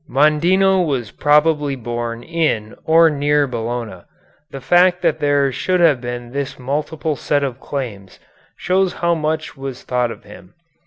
Mondino was probably born in or near Bologna. The fact that there should have been this multiple set of claims shows how much was thought of him.